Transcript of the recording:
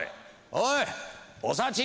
おいお幸！